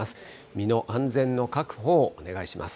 身の安全の確保をお願いします。